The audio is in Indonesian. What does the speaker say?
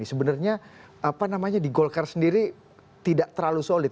sebenarnya di golkar sendiri tidak terlalu solid